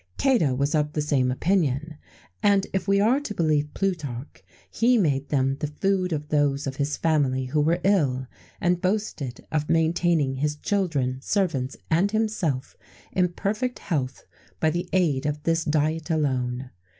[XVII 40] Cato was of the same opinion; and, if we are to believe Plutarch, he made them the food of those of his family who were ill, and boasted of maintaining his children, servants, and himself in perfect health, by the aid of this diet alone.